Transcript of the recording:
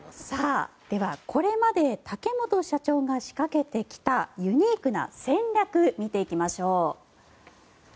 では、これまで竹本社長が仕掛けてきたユニークな戦略を見ていきましょう。